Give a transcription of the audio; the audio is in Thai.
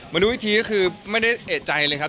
รู้อีกทีก็คือไม่ได้เอกใจเลยครับ